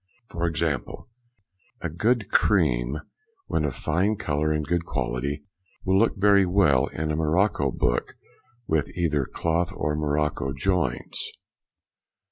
For example, a good cream, when of fine colour and good quality, will look very well in a morocco book with either cloth or morocco joints.